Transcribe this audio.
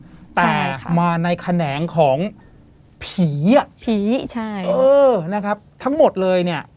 แต่มาในแขนงของผีอ่ะผีใช่เออนะครับทั้งหมดเลยเนี่ย